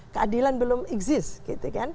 keadilan belum exist